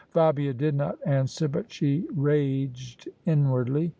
Fabia did not answer, but she raged inwardly.